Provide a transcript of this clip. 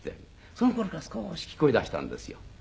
その頃から少し聞こえだしたんですよ。